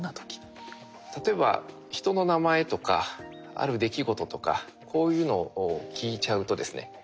例えば人の名前とかある出来事とかこういうのを聞いちゃうとですね